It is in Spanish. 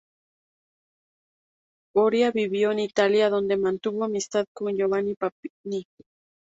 Horia vivió en Italia, donde mantuvo amistad con Giovanni Papini.